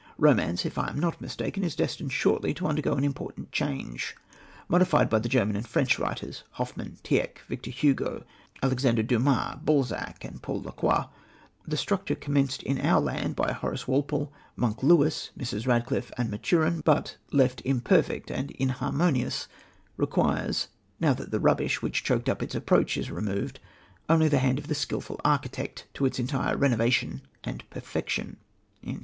Romance, if I am not mistaken, is destined shortly to undergo an important change. Modified by the German and French writers Hoffmann, Tieck, Victor Hugo, Alexander Dumas, Balzac and Paul Lacroix the structure commenced in our land by Horace Walpole, 'Monk' Lewis, Mrs. Radcliffe and Maturin, but, left imperfect and inharmonious, requires, now that the rubbish which choked up its approach is removed, only the hand of the skilful architect to its entire renovation and perfection."